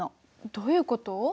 どういうこと？